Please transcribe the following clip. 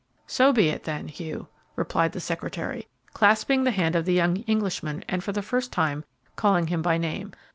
"So be it, then, Hugh," replied the secretary, clasping the hand of the young Englishman and, for the first time, calling him by name.